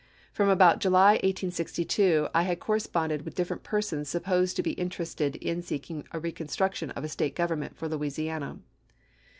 From about July, 1862, I had corresponded with different persons supposed to be interested [in] seeking a reconstruction of a State government for Louisiana.